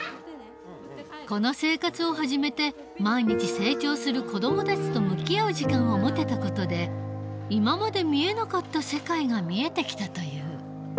この生活を始めて毎日成長する子どもたちと向き合う時間を持てた事で今まで見えなかった世界が見えてきたという。